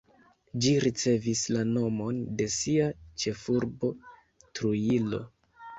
Ĝi ricevis la nomon de sia ĉefurbo, Trujillo.